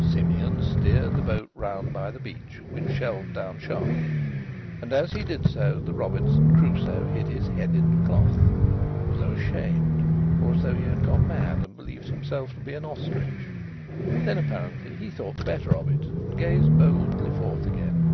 Simeon steered the boat round by the beach, which shelved down sharply, and as he did so the Robinson Crusoe hid his head in a cloth, as though ashamed, or as though he had gone mad and believed himself to be an ostrich. Then apparently he thought the better of it, and gazed boldly forth again.